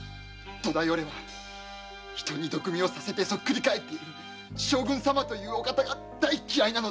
大体オレは他人に毒味をさせてそっくり返っている将軍様という人が大嫌いだ。